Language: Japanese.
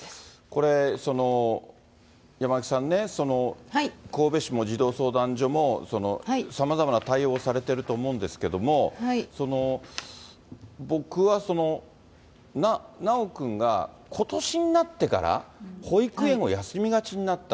これ、その山脇さんね、神戸市も児童相談所もさまざまな対応をされてると思うんですけれども、僕は修くんが、ことしになってから保育園を休みがちになった。